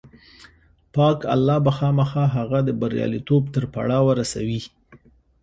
پاک الله به خامخا هغه د برياليتوب تر پړاوه رسوي.